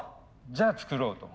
じゃあ作ろうと。